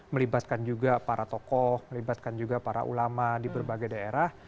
melibatkan juga para tokoh melibatkan juga para ulama di berbagai daerah